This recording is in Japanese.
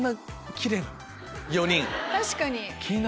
確かに！